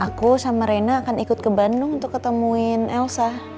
aku sama rena akan ikut ke bandung untuk ketemuin elsa